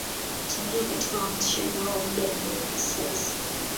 Kuchangia katika uhamasishaji wao wa muda mrefu kisiasa